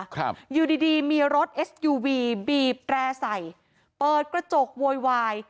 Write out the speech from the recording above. ครับอยู่ดีดีมีรถเอสยูวีบีบแตร่ใส่เปิดกระจกโวยวาย